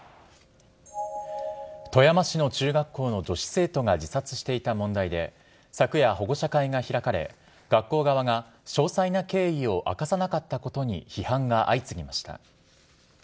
富山市の中学校の女子生徒が自殺していた問題で、昨夜、保護者会が開かれ、学校側が詳細な経緯を明かさなかったことに批判が相次ぎました。